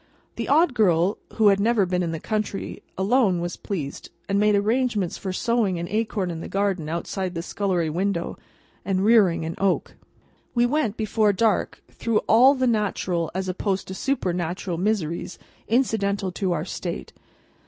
The Odd Girl, who had never been in the country, alone was pleased, and made arrangements for sowing an acorn in the garden outside the scullery window, and rearing an oak. We went, before dark, through all the natural—as opposed to supernatural—miseries incidental to our state.